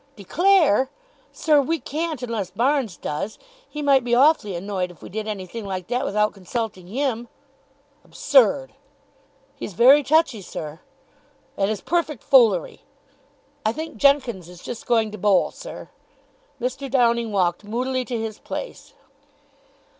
"Declare! Sir, we can't unless Barnes does. He might be awfully annoyed if we did anything like that without consulting him." "Absurd." "He's very touchy, sir." "It is perfect foolery." "I think Jenkins is just going to bowl, sir." Mr. Downing walked moodily to his place.